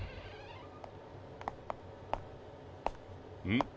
うん？